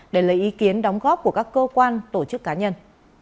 để lấy ý kiến đóng góp của các cơ quan tổ chức cá nhân